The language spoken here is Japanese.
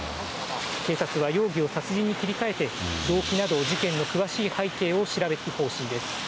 警察は容疑を殺人に切り替えて、動機など、事件の詳しい背景を調べる方針です。